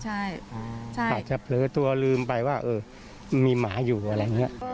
อาจจะเผลอตัวลืมไปว่ามีหมาอยู่อะไรอย่างนี้